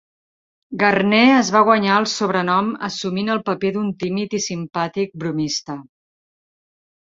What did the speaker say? Garner es va guanyar el sobrenom assumint el paper d'un tímid i simpàtic bromista.